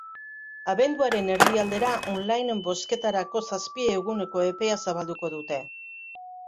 Abenduaren erdialdera online bozketarako zazpi eguneko epea zabalduko dute.